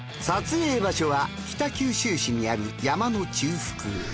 撮影場所は北九州市にある山の中腹。